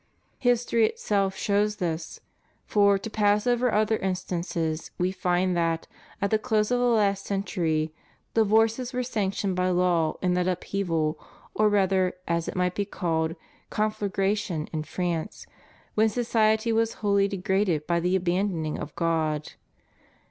History itself shows this ; for, to pass over other instances, we find that, at the close of the last century, divorces were sanctioned by law in that upheaval, or rather, as it might be called, conflagration in France, when society was wholly degraded by the abandoning of God.